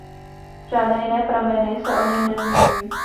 Žádné jiné prameny se o něm nezmiňují.